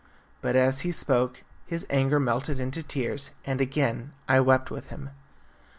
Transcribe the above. But, as he spoke, his anger melted into tears, and again I wept with him.